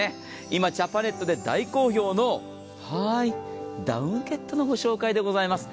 今ジャパネットで大好評のダウンケットのご紹介でございます。